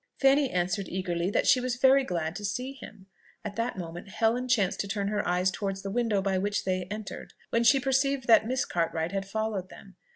Fanny answered eagerly that she was very glad to see him. At that moment Helen chanced to turn her eyes towards the window by which they entered; when she perceived that Miss Cartwright had followed them.